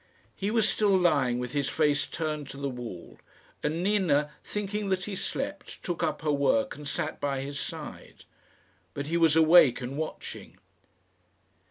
He was still lying with his face turned to the wall, and Nina, thinking that he slept, took up her work and sat by his side. But he was awake, and watching.